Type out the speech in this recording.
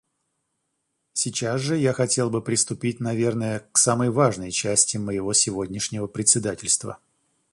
Сейчас же я хотел бы приступить, наверное, к самой важной части моего сегодняшнего председательства...